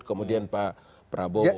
kemudian pak prabowo